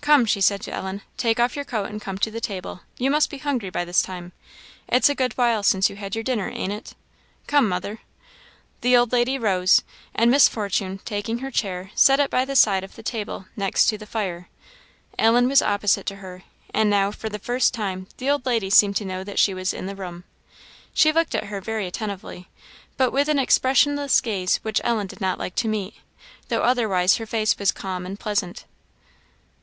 "Come," she said to Ellen, "take off your coat and come to the table. You must be hungry by this time. It's a good while since you had your dinner, ain't it? Come, mother." The old lady rose, and Miss Fortune, taking her chair, set it by the side of the table, next the fire. Ellen was opposite to her, and now, for the first time, the old lady seemed to know that she was in the room. She looked at her very attentively, but with an expressionless gaze which Ellen did not like to meet, though otherwise her face was calm and pleasant.